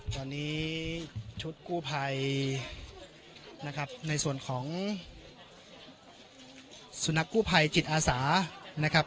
ตอนนี้ชุดกู้ภัยนะครับในส่วนของสุนัขกู้ภัยจิตอาสานะครับ